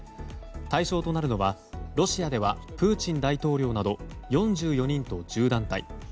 対象となるのはロシアではプーチン大統領など４４人と１０団体。